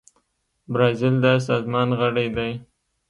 برازیل د سازمان غړی دی.